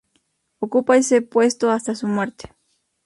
Ocupa ese puesto hasta su muerte.